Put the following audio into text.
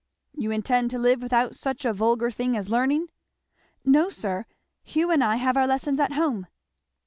"You intend to live without such a vulgar thing as learning?" "No sir Hugh and I have our lessons at home."